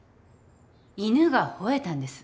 犬が吠えたんです。